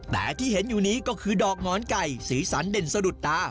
แต่ที่เห็นอยู่นี้ก็คือดอกหงอนไก่สีสันเด่นสะดุดตา